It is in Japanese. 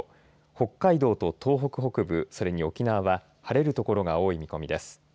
北海道と東北北部、それに沖縄は晴れる所が多い見込みです。